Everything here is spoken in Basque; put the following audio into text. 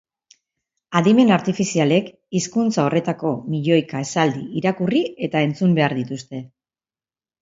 Adimen artifizialek hizkuntza horretako milioika esaldi irakurri eta entzun behar dituzte.